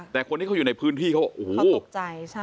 แต่คนที่เขาอยู่ในพื้นที่เขาตกใจ